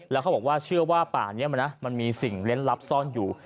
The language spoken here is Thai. แล้วเขาบอกว่าเชื่อว่าป่านี้มันมีสิ่งเล่นลับซ่อนอยู่